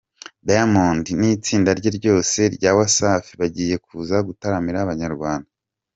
Diamond n’itsinda rye ryose rya Wasafi bagiye kuza gutaramira Abanyarwanda.